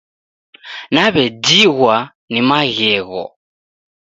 Nawejighwa ni maghegho